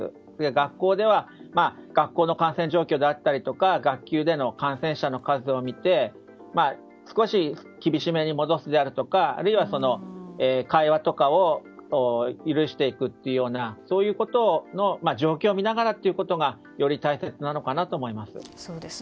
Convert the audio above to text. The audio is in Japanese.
学校では学校の感染状況であったりとか学級での感染者の数を見て少し、厳しめに戻すとかあるいは会話とかを許していくというなことの状況を見ながらということがより大切なのかなと思います。